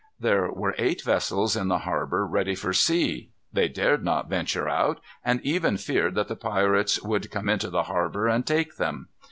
There were eight vessels in the harbor ready for sea. They dared not venture out, and even feared that the pirates would come into the harbor and take them.